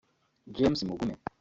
James Mugume